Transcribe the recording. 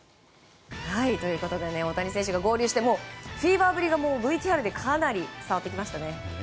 大谷選手が合流してフィーバーぶりがＶＴＲでかなり伝わってきましたね。